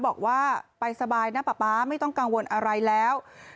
บอกว่าไปสบายนะป๊าป๊าไม่ต้องกังวลอะไรแล้ว